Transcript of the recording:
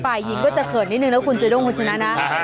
ป่ายยิงก็จะเขินนิดนึงแล้วคุณจะด้วยมันจริงนะนะ